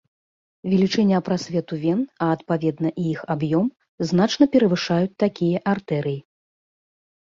Велічыня прасвету вен, а адпаведна і іх аб'ём, значна перавышаюць такія артэрый.